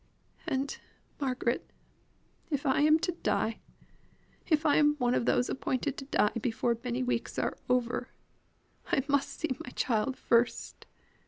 "And, Margaret, if I am to die if I am one of those appointed to die before many weeks are over I must see my child first.